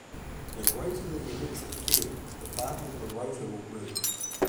The greater the electric field, the farther the rotor will move.